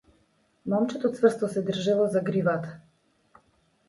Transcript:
Момчето цврсто се држело за гривата.